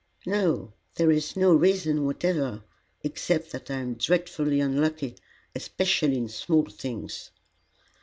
"No. There is no reason whatever, except that I am dreadfully unlucky, especially in small things."